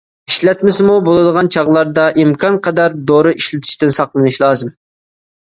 ئىشلەتمىسىمۇ بولىدىغان چاغلاردا ئىمكانقەدەر دورا ئىشلىتىشتىن ساقلىنىش لازىم.